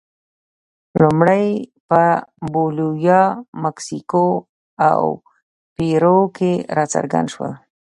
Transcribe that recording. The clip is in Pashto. لومړی په بولیویا، مکسیکو او پیرو کې راڅرګند شول.